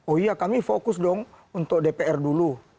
oh iya kami fokus dong untuk dpr dulu